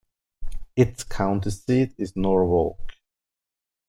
Its county seat is Norwalk.